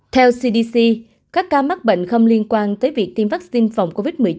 theo cdc các ca mắc bệnh không liên quan tới việc tiêm vaccine phòng covid một mươi chín